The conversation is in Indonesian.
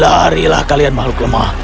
larilah kalian makhluk lemah